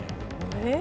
えっ？